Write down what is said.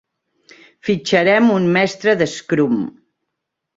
Fitxarem un mestre d'"scrum".